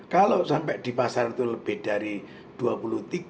kalau sampai di pasar itu lebih dari rp dua puluh tiga